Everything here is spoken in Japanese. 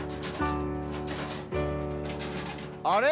あれ？